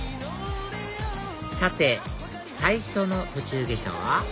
さて最初の途中下車は？